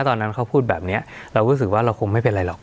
ตอนนั้นเขาพูดแบบนี้เรารู้สึกว่าเราคงไม่เป็นไรหรอก